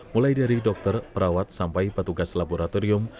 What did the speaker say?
mulai dari dokter perawat sampai petugas laboratorium